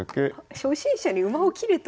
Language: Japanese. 初心者に馬を切れと？